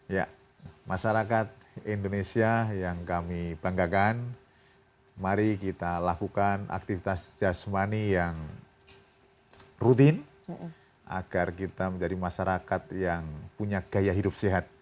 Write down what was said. ya masyarakat indonesia yang kami banggakan mari kita lakukan aktivitas jasmani yang rutin agar kita menjadi masyarakat yang punya gaya hidup sehat